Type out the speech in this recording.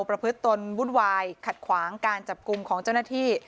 ประพฤติตนวุ่นวายขัดขวางการจับกลุ่มของเจ้าหน้าที่